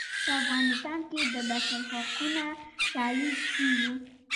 په افغانستان کې د بشر حقونو شالید څیړو.